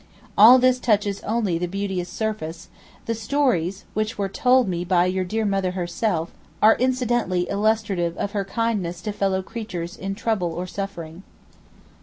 All this touches only the beauteous surface; the stories (which were told me by your dear mother herself) are incidentally illustrative of her kindness to fellow creatures in trouble or suffering.